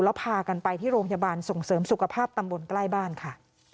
แล้วพากันไปที่โรงพยาบาลส่งเสริมสุขภาพตำบลใกล้บ้านค่ะ